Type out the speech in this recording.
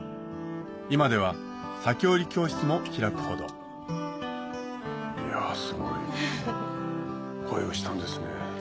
今では裂織り教室も開くほどいやすごい恋をしたんですね。